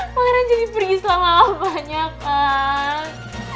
pangeran jadi pergi selama lamanya kan